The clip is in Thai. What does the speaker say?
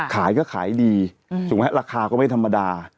ขายก็ขายดีถูกไหมราคาก็ไม่ธรรมดา